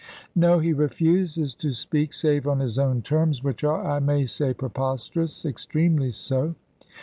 "No. He refuses to speak save on his own terms, which are, I may say, preposterous extremely so."